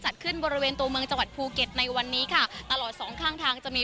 จัดขึ้นบริเวณตัวเมืองจังหวัดภูเก็ตในวันนี้ค่ะตลอดสองข้างทางจะมี